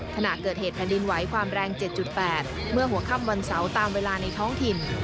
ขณะเกิดเหตุแผ่นดินไหวความแรง๗๘เมื่อหัวค่ำวันเสาร์ตามเวลาในท้องถิ่น